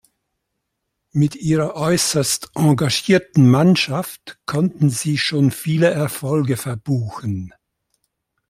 Mit ihrer äußerst engagierten Mannschaft konnten sie schon viele Erfolge verbuchen.